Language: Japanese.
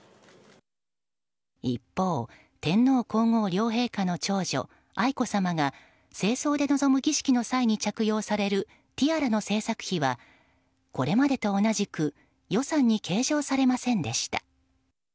一方、天皇・皇后両陛下の長女愛子さまが正装で臨む儀式の際に着用されるティアラの制作費はこれまでと同じく予算に計上されませんでした。